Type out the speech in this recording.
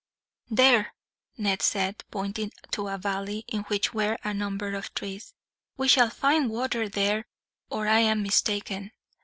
"There," Ned said, pointing to a valley in which were a number of trees. "We shall find water there, or I am mistaken."